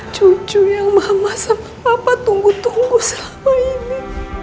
cucu yang mama sama papa tunggu tunggu selama ini